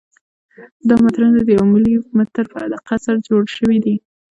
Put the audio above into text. دا مترونه د یو ملي متر په دقت سره جوړ شوي دي.